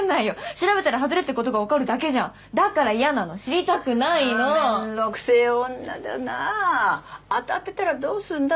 調べたらハズレってことがわかるだけじゃんだから嫌なの知りたくないのああーめんどくせえ女だな当たってたらどうすんだ？